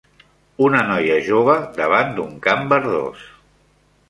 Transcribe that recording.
Una noia jove davant d'un camp verdós